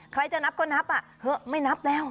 ใครจะนับก็นับอ่ะเถอะไม่นับแล้ว